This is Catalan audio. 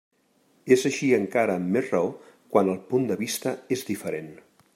És així encara amb més raó quan el punt de vista és diferent.